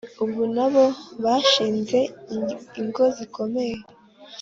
Ubu na bo bashinze ingo zikomeye.